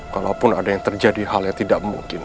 kalaupun ada yang terjadi hal yang tidak mungkin